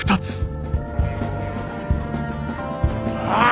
あ。